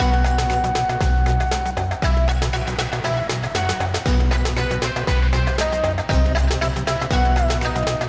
waalaikumsalam pak ustaz